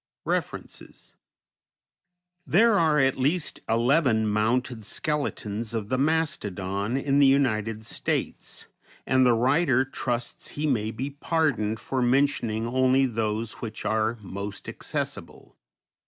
REFERENCES _There are at least eleven mounted skeletons of the Mastodon in the United States, and the writer trusts he may be pardoned for mentioning only those which are most accessible.